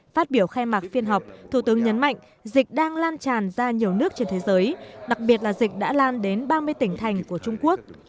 phát biểu khai mạc phiên họp thủ tướng nhấn mạnh dịch đang lan tràn ra nhiều nước trên thế giới đặc biệt là dịch đã lan đến ba mươi tỉnh thành của trung quốc